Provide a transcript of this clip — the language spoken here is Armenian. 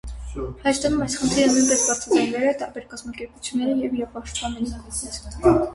Հայաստանում այս խնդիրը նույնպես բարձրաձայնվել է տարբեր կազմակերպությունների և իրավապաշտպանների կողմից։